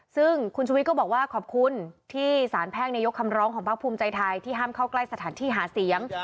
ซึ่งคุณชุวิตก็บอกว่าขอบคุณที่สารแพ่งยกคำร้องของภาคภูมิใจไทยที่ห้ามเข้าใกล้สถานที่หาเสียง